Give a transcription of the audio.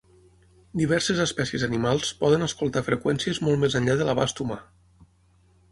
Diverses espècies animals poden escoltar freqüències molt més enllà de l'abast humà.